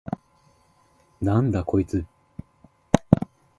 なんだこいつ！？